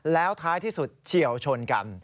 แล้วท้ายที่สุดเฉียวชนกัน